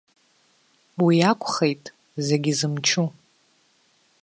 Уиакәхеит, зегьы зымчу.